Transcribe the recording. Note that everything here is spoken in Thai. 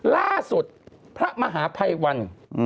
ล่าสุดพระมหาภัยวัน